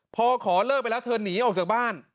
พอขอเลิกไปแล้วเธอหนีออกจากบ้าน